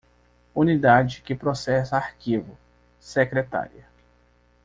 Unidade que processa arquivo: secretária.